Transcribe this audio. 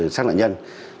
sát nạn nhân